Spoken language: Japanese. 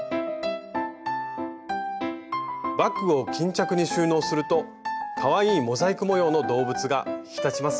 バッグを巾着に収納するとかわいいモザイク模様の動物が引き立ちますよ。